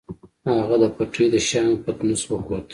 هغه د پټۍ د شيانو پتنوس وکوت.